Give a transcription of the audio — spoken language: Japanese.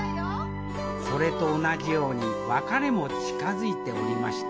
それと同じように別れも近づいておりました